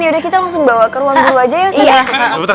yaudah kita langsung bawa ke ruang dulu aja ya sudah